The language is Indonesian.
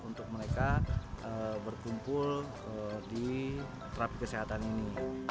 untuk mereka berkumpul di terapi kesehatan ini